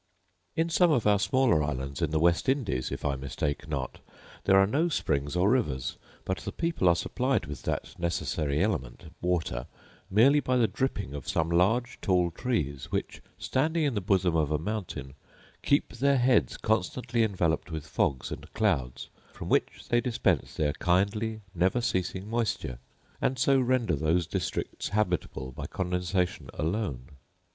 In some of our smaller islands in the West Indies, if I mistake not, there are no springs or rivers; but the people are supplied with that necessary element, water, merely by the dripping of some large tall trees, which, standing in the bosom of a mountain, keep their heads constantly enveloped with fogs and clouds, from which they dispense their kindly never ceasing moisture; and so render those districts habitable by condensation alone.